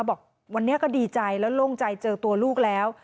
บอกวันนี้ก็ดีใจแล้วโล่งใจเจอตัวลูกแล้ว